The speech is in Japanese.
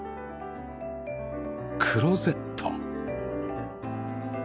クローゼット